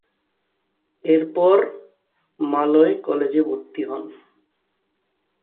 এরপর মালয় কলেজে ভর্তি হন।